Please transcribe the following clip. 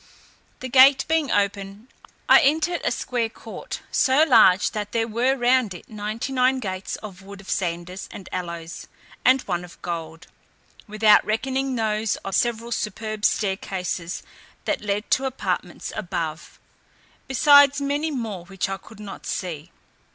The gate being open, I entered a square court, so large that there were round it ninety nine gates of wood of sanders and aloes, and one of gold, without reckoning those of several superb staircases, that led to apartments above, besides many more which I could not see.